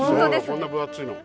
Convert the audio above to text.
こんな分厚いの。